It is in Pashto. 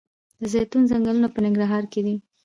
د زیتون ځنګلونه په ننګرهار کې دي؟